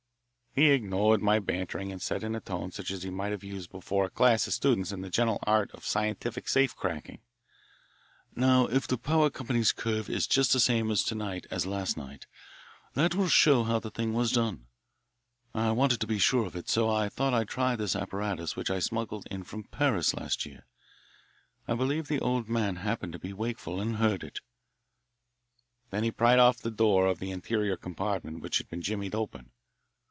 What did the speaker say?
He ignored my bantering and said in a tone such as he might have used before a class of students in the gentle art of scientific safe cracking: "Now if the power company's curve is just the same to night as last night, that will show how the thing was done. I wanted to be sure of it, so I thought I'd try this apparatus which I smuggled in from Paris last year. I believe the old man happened to be wakeful and heard it." Then he pried off the door of the interior compartment which had been jimmied open.